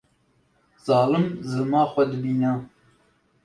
Zalim zilma xwe dibîne